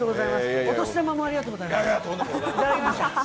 お年玉もありがとうございます。